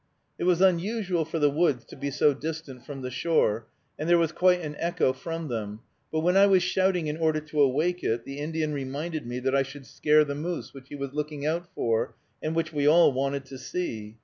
It was unusual for the woods to be so distant from the shore, and there was quite an echo from them, but when I was shouting in order to awake it, the Indian reminded me that I should scare the moose, which he was looking out for, and which we all wanted to see.